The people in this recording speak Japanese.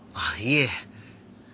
あっいえ。